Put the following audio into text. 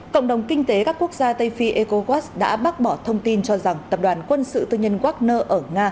cộng đồng kinh tế các quốc gia tây phi ecolab đã bác bỏ thông tin cho rằng tập đoàn quân sự tư nhân wagner